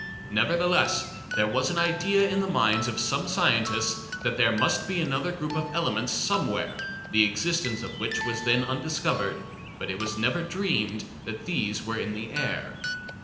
Nevertheless there was an idea in the minds of some scientists that there must be another group of elements somewhere, the existence of which was then undiscovered, but it was never dreamed that these were in the air.